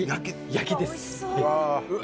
焼きです。